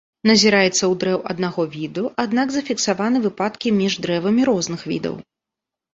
Назіраецца ў дрэў аднаго віду, аднак зафіксаваны выпадкі між дрэвамі розных відаў.